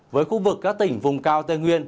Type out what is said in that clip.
với khu vực các tỉnh vùng cao tây nguyên